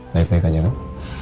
baik baik aja gak